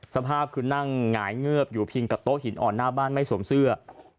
สภาพคือนั่งหงายเงือบอยู่พิงกับโต๊ะหินอ่อนหน้าบ้านไม่สวมเสื้อ